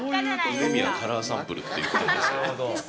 梅宮カラーサンプルということですけど。